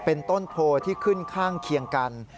เป็นต้นโพที่ขึ้นข้างเคียงกัน